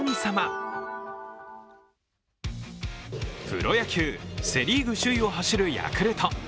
プロ野球、セ・リーグ首位を走るヤクルト。